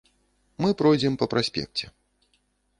Мы пройдзем па праспекце.